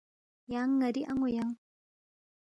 یانگ ن٘ری ان٘و ینگ